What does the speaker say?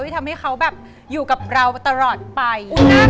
ทำให้เขาแบบอยู่กับเราตลอดไป